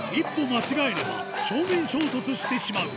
間違えれば正面衝突してしまう